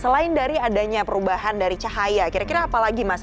selain dari adanya perubahan dari cahaya kira kira apa lagi mas